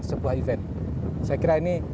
sebuah event saya kira ini